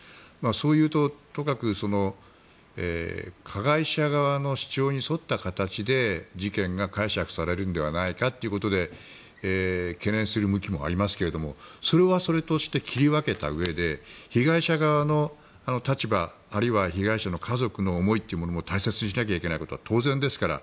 そういうと、とかく加害者側の主張に沿った形で事件が解釈されるのではないかということで懸念する向きもありますけどそれはそれとして切り分けたうえで被害者側の立場、あるいは被害者の家族の思いというのも大切にしなきゃいけないことは当然ですから。